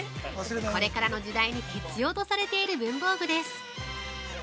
これからの時代に必要とされている文房具です。